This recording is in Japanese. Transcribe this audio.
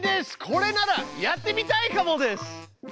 これならやってみたいかもです。